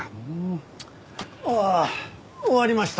ああ終わりました？